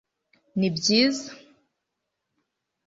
nibyiza